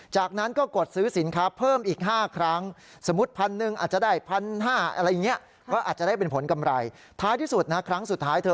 จากนั้นก็กดซื้อสินค้าเพิ่มอีก๕ครั้ง